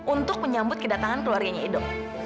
untuk menyambut kedatangan keluarganya itu